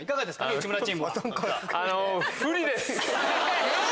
内村チームは。え！